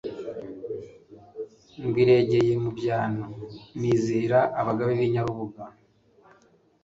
Nywiregeye mu byano nizihira abagabe b'Inyarubuga,